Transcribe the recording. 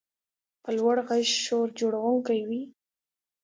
په لوړ غږ شور جوړونکی وي.